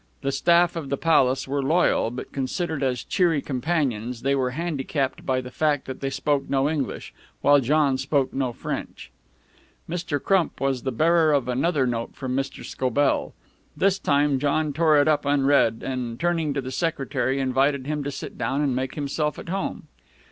The staff of the Palace were loyal, but considered as cheery companions, they were handicapped by the fact that they spoke no English, while John spoke no French. Mr. Crump was the bearer of another note from Mr. Scobell. This time John tore it up unread, and, turning to the secretary, invited him to sit down and make himself at home.